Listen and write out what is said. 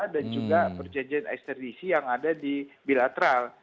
dan juga perjanjian ekstradisi yang ada di bilateral